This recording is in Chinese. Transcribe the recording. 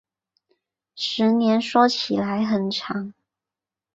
十年说起来很长